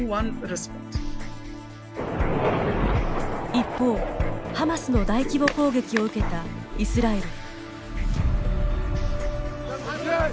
一方ハマスの大規模攻撃を受けたイスラエル。